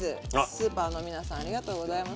スーパーの皆さんありがとうございます。